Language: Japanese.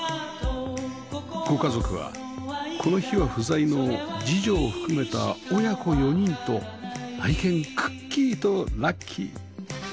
ご家族はこの日は不在の次女を含めた親子４人と愛犬クッキーとラッキー